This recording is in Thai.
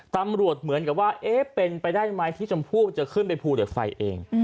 เหมือนกับว่าเอ๊ะเป็นไปได้ไหมที่ชมพู่จะขึ้นไปภูเหล็กไฟเอง